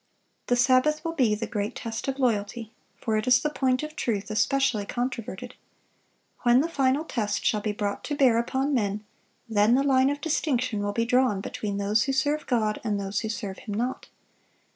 The Sabbath will be the great test of loyalty; for it is the point of truth especially controverted. When the final test shall be brought to bear upon men, then the line of distinction will be drawn between those who serve God and those who serve Him not.